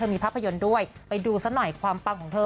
มีภาพยนตร์ด้วยไปดูซะหน่อยความปังของเธอ